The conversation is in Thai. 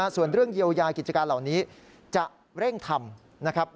ส่วนเรื่องเยียวยากิจการเหล่านี้จะเร่งทำนะครับ